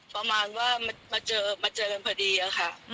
ประมาณว่ามาเจอมาเจอเป็นพอดีอะค่ะ